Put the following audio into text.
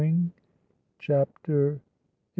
CHAPTER XI.